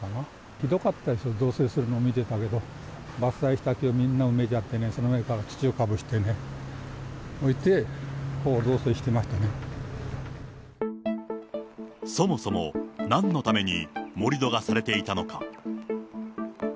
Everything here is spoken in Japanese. ひどかったですよ、造成するのを見てたけど、伐採した木をみんな埋めちゃってね、その上から土をかぶせてね、そもそも、なんのために盛り土がされていたのか。